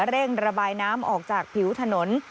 เร่งระบายน้ำออกจากผิวถนน